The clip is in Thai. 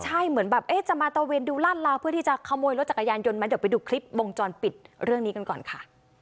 ใช่เหมือนแบบเอ๊ะจะมาตะเวนดูลาดลาวเพื่อที่จะขโมยรถจักรยานยนต์ไหมเดี๋ยวไปดูคลิปวงจรปิดเรื่องนี้กันก่อนค่ะ